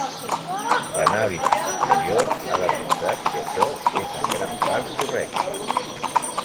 L'anàlisi posterior ha demostrat que això és en gran part correcte.